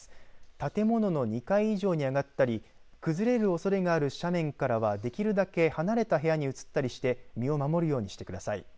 建物の２階以上に上ったり崩れるおそれがある斜面からはできるだけ離れた部屋に移ったりして身を守るようにしてください。